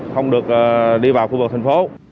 không được lưu vào khu vực thành phố